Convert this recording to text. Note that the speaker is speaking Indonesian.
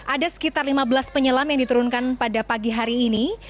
ada sekitar lima belas penyelam yang diturunkan pada pagi hari ini